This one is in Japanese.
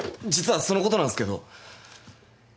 実はそのことなんすけど。